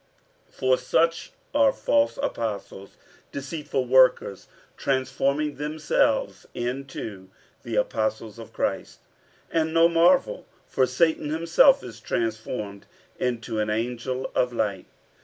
47:011:013 For such are false apostles, deceitful workers, transforming themselves into the apostles of Christ. 47:011:014 And no marvel; for Satan himself is transformed into an angel of light.